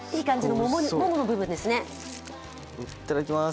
いただきます。